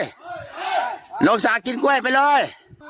ลูกสาวกินกล้วยไปเลย